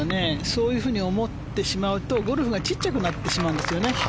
そういうふうに思ってしまうとゴルフが小さくなってしまうんですよね。